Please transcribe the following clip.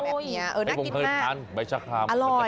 แบบเนี้ยเออน่ากินมากผมเคยทานใบชะครามอร่อย